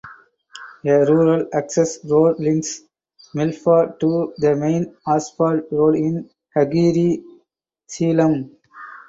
A rural access road links Melfa to the main asphalt road in Hagere Selam.